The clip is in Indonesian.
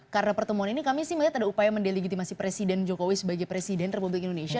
karena pertemuan ini kami sih melihat ada upaya mendeligitimasi presiden jokowi sebagai presiden republik indonesia